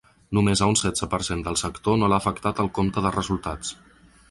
Només a un setze per cent del sector no l’ha afectat el compte de resultats.